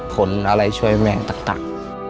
ผลอะไรช่วยแม่งตัก